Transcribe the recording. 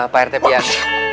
pak rt pian